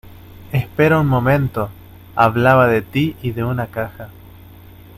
espera un momento. hablaba de ti y de una caja